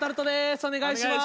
お願いします。